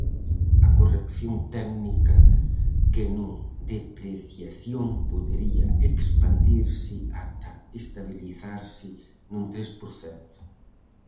A "corrección técnica", que non depreciación, podería expandirse ata estabilizarse nun tres por cento.